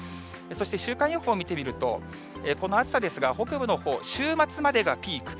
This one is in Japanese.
そして週間予報を見てみると、この暑さですが、北部のほう、週末までがピーク。